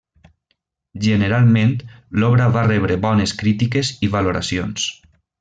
Generalment, l'obra va rebre bones crítiques i valoracions.